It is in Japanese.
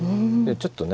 ちょっとね。